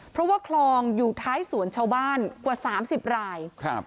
เพราะว่าคลองอยู่ท้ายสวนชาวบ้านกว่า๓๐รายครับ